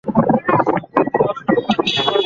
আমি কি তোমার সাক্ষর পেতে পারি?